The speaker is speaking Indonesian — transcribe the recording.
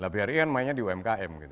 bri kan mainnya di umkm gitu